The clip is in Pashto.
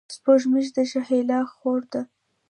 سپوږمۍ د شهلا خور ده.